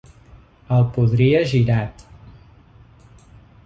El podria girat.